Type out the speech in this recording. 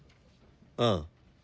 ああ。